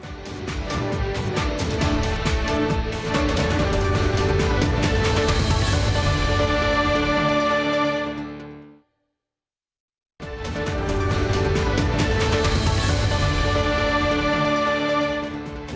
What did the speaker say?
beberapa cerita varian